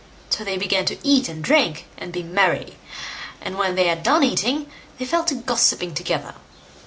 So they began to eat and drink, and be merry; and when they had done eating, they fell to gossipping together.